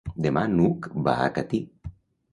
Demà n'Hug va a Catí.